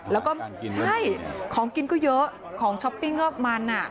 แล้วก็ใช่ของกินก็เยอะของช้อปปิ้งก็มัน